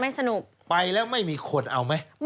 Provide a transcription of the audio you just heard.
สนุกไปแล้วไม่มีคนเอาไหม